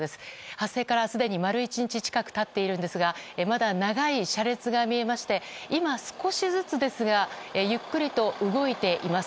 発生からすでに丸１日近く経っているんですがまだ長い車列が見えまして今、少しずつですがゆっくりと動いています。